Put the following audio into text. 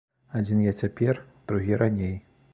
Адзін я цяпер, другі раней.